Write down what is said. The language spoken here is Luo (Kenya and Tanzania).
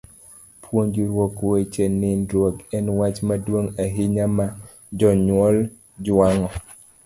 Puonjruok weche nindruok en wach maduong' ahinya ma jonyuol jwang'o.